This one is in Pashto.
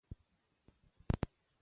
زه د جګړو او سولې تاریخ زدهکړه کوم.